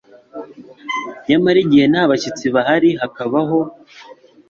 Nyamara igihe nta bashyitsi bahari hakabaho